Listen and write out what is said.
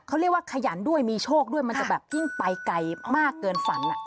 เขาเรียกว่าขยันด้วยมีโชคด้วยมันจะแบบยิ่งไปไกลมากเกินฝัน